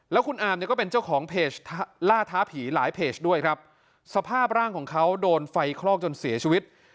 แล้วคุณอามเนี่ยก็เป็นเจ้าของเพจล่าท้าผีหลายเพจด้วยครับสภาพร่างของเขาโดนไฟคลอกจนเสียชีวิต